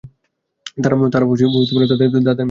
তারাও তাদের মেয়েদের তা দিল।